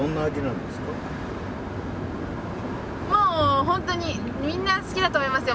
もうホントにみんな好きだと思いますよ。